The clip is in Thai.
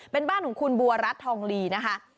เป็นบ้านของคุณบัวรัฐทองลีนะคะ